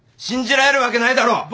信じられるわけないだろ！